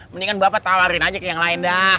mendingan bapak tawarin aja ke yang lain dak